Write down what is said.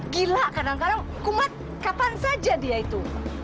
gila kadang kadang umat kapan saja dia itu